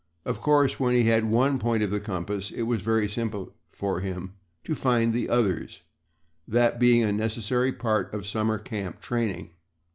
Of course, when he had one point of the compass it was very simple for him to find the others that being a necessary part of summer camp training.